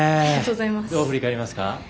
どう振り返りますか？